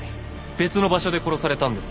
別の場所で殺されたんです。